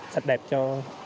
sạch đẹp cho